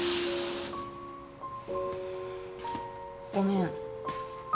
ごめん。